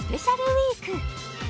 ウィーク